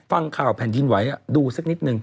ฟังข่าวแผ่นดินไหวดูสักนิดนึง